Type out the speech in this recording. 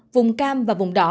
vùng cam và vùng đỏ